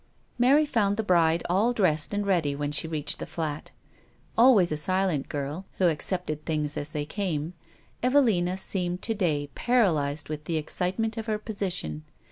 Mary found the bride all dressed and ready when she reached the flat. Always a silent girl, who accepted things as they came, Evelina seemed • to day paralised with the excitement of her position.